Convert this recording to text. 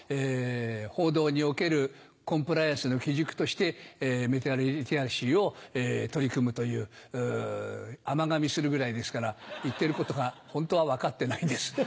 報道におけるコンプライアンスの基軸としてメディア・リテラシーを取り組むという甘噛みするぐらいですから言ってることがホントは分かってないんです。